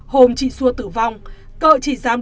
hôm chị xua tử vong cỡ chỉ dám